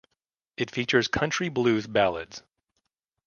It features country blues ballads.